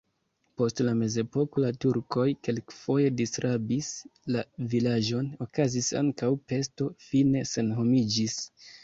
Post la mezepoko la turkoj kelkfoje disrabis la vilaĝon, okazis ankaŭ pesto, fine senhomiĝis.